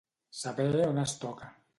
Saber on es toca.